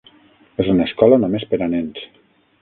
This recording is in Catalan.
És una escola només per a nens.